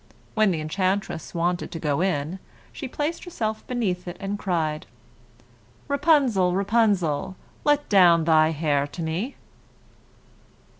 When the enchantress wanted to go in, she placed herself beneath this, and cried, "Rapunzel, Rapunzel, Let down your hair to me."